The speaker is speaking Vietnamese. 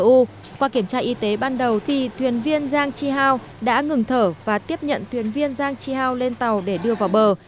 qua kiểm tra y tế ban đầu thì thuyền viên giang di hao đã ngừng thở và tiếp nhận thuyền viên giang di hao lên tàu để đưa vào bờ